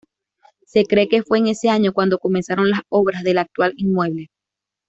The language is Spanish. Se cree que fue en ese año cuando comenzaron las obras del actual inmueble.